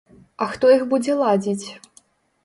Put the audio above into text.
А хто іх будзе ладзіць?